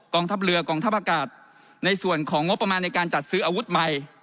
ทัพเรือกองทัพอากาศในส่วนของงบประมาณในการจัดซื้ออาวุธใหม่